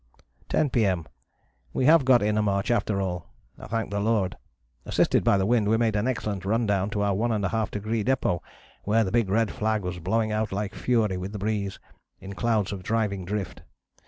"10 P.M. We have got in a march after all, thank the Lord. Assisted by the wind we made an excellent rundown to our One and a Half Degree Depôt, where the big red flag was blowing out like fury with the breeze, in clouds of driving drift.